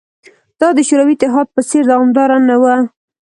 دا د شوروي اتحاد په څېر دوامداره نه وه